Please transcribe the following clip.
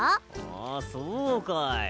あそうかい。